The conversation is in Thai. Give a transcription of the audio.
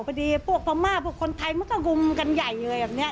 พวกพม่าพวกคนไทยมันก็รุมกันใหญ่เลยแบบนี้